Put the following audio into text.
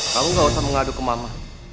kamu gak usah mengadu ke mama